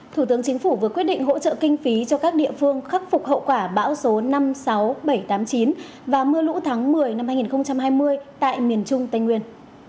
thủ tướng chính phủ vừa quyết định hỗ trợ kinh phí cho các địa phương khắc phục hậu quả bão số năm mươi sáu bảy trăm tám mươi chín và mưa lũ tháng một mươi năm hai nghìn hai mươi tại miền trung tây nguyên